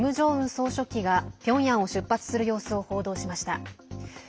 総書記がピョンヤンを出発する様子を報道しました。